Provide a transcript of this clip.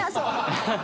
ハハハハ！